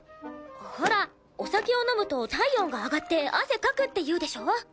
ほらお酒を飲むと体温が上がって汗かくっていうでしょ？